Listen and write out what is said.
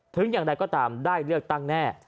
ถึงอย่างไรก็ตามได้เลือกตั้งแน่